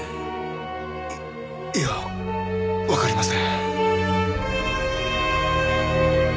いいやわかりません。